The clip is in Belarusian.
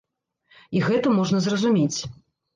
І гэта можна зразумець.